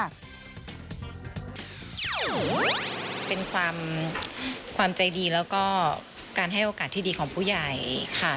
เป็นความใจดีแล้วก็การให้โอกาสที่ดีของผู้ใหญ่ค่ะ